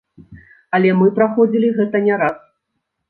Але мы праходзілі гэта не раз.